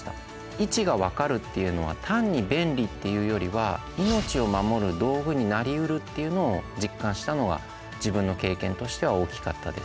位置が分かるっていうのは単に便利っていうよりは命を守る道具になりうるっていうのを実感したのが自分の経験としては大きかったです。